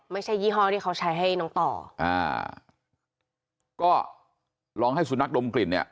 ยี่ห้อที่เขาใช้ให้น้องต่ออ่าก็ลองให้สุนัขดมกลิ่นเนี่ย